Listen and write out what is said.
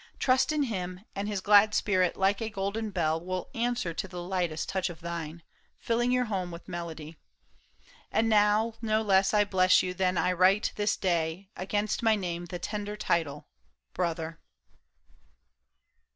Trust in him. And his glad spirit like a golden bell Will answer to the lightest touch of thine. Filling your home with melody. And now No less I bless you that I write this day Against my name the tender title Brother."